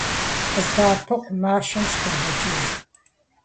КъыздэӀэпыкъу! Мащэм сыкъигъэкӀыж!